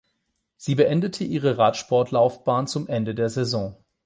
Sie beendete ihre Radsportlaufbahn zum Ende der Saison.